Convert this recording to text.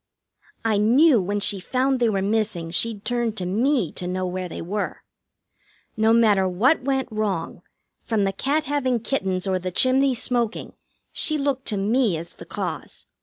I knew when she found they were missing she'd turn to me to know where they were. No matter what went wrong, from the cat having kittens or the chimney smoking, she looked to me as the cause.